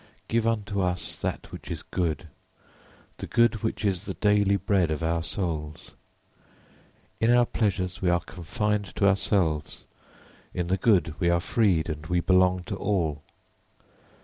] Give unto us that which is good [Footnote: Yad bhadram tanna āsuva.], the good which is the daily bread of our souls. In our pleasures we are confined to ourselves, in the good we are freed and we belong to all.